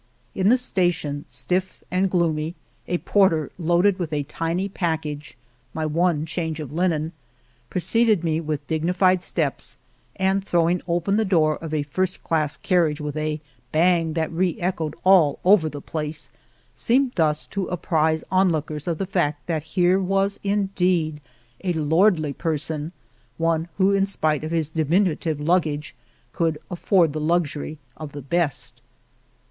In the station, stiff and gloomy, a por ter, loaded with a tiny package, my one change of Imen, preceded me with dignified steps and throwing open the door of a first class carriage with a bang that re echoed all over the place seemed thus to apprise on lookers of the fact that here was indeed a lordly person, one who, in spite of his dimin utive luggage, could afford the luxury of the On the Road to Argamasilla best.